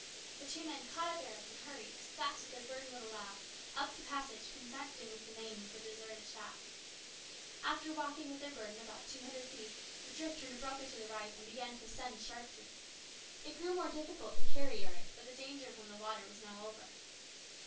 The two men caught up Eric and hurried, as fast as their burden would allow, up the passage connecting the main with the deserted shaft. After walking with their burden about two hundred feet, the drift turned abruptly to the right and began to ascend sharply. It grew more difficult to carry Eric, but the danger from the water was now over.